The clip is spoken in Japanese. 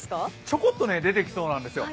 ちょこっと出てきそうなんですよ。